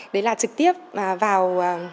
đấy là trực tiếp vào